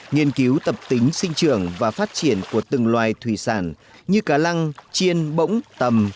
nghiên cứu tập tính sinh trường và phát triển của từng loài thủy sản như cá lăng chiên bỗng tầm